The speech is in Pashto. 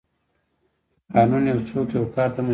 قانون یو څوک یو کار ته مجبوروي.